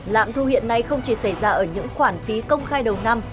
lạm thu hiện nay không chỉ xảy ra ở những khoản phí công khai đầu năm